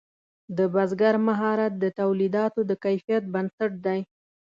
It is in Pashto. د بزګر مهارت د تولیداتو د کیفیت بنسټ دی.